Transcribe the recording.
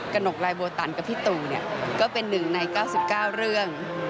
หนกลายโบตันกับพี่ตูก็เป็น๑ใน๙๙เรื่อง